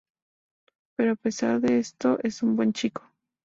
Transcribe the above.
Pero a pesar de eso es un buen chico.